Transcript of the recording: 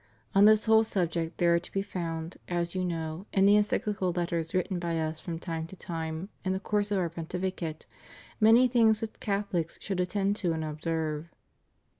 On this whole subject there are to be found, as you know, in the encyclical letterw written by Us from time to time in the course of Our pontificate, many things which Catholics should attend to and observe.